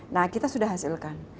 nah kita sudah hasilkan